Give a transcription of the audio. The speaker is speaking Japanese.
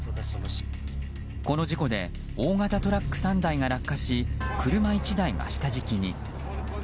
この事故で大型トラック３台が落下し車１台が下敷きに。